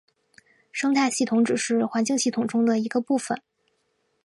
生态系统只是环境系统中的一个部分。